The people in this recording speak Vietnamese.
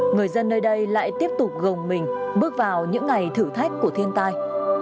người dân nơi đây lại tiếp tục gồng mình bước vào những ngày thử thách của thiên tai